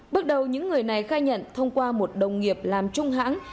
bước đầu những người này khai nhận thông qua một đồng nghiệp làm trung hãng